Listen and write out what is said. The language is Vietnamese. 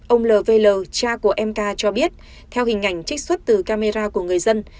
ông lv cha của mk cho biết theo hình ảnh trích xuất từ camera của người dân